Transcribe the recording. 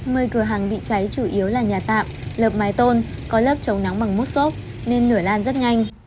mười cửa hàng bị cháy chủ yếu là nhà tạm lợp mái tôn có lớp chống nắng bằng mút xốp nên lửa lan rất nhanh